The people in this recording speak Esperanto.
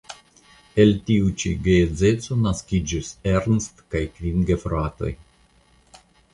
El tiu ĉi geedzeco naskiĝis Ernst kaj kvin gefratoj.